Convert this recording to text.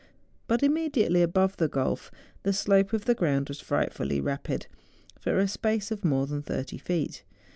But imme¬ diately above the gulf, the slope of the ground was frightfully rapid, for a space of more than thirty feet.